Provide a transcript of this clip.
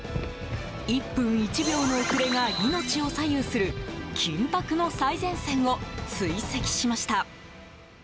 １分１秒の遅れが命を左右する緊迫の最前線を追跡しました。